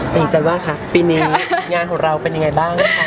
หญิงจันวาคะปีนี้งานของเราเป็นยังไงบ้างนะคะ